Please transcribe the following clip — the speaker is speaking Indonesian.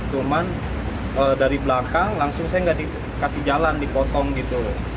cuman dari belakang langsung saya nggak dikasih jalan dipotong gitu